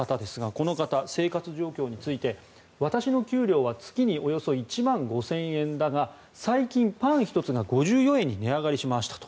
この方が生活状況について私の給料は月におよそ１万５０００円だが最近パン１つが５４円に値上がりしましたと。